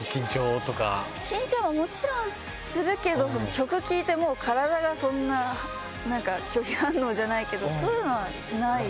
緊張はもちろんするけど、曲聴いて、もう体がそんな、なんか、拒否反応じゃないけど、全くない？